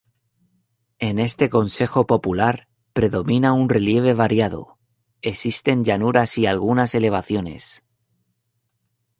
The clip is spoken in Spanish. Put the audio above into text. En este consejo popular predomina un relieve variado, existen llanuras y algunas elevaciones.